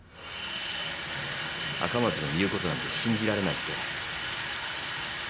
赤松の言うことなんて信じられないって。